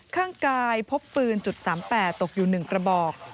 ข้างกายพบปืน๓๘ตกอยู่๑กระบอก